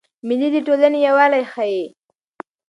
مېلې د ټولني یووالی ښيي.